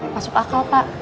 masuk akal pak